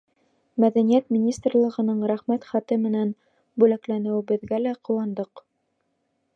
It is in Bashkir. Мәҙәниәт министрлығының Рәхмәт хаты менән бүләкләнеүебеҙгә лә ҡыуандыҡ.